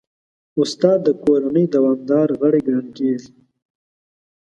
استاد د کورنۍ دوامدار غړی ګڼل کېږي.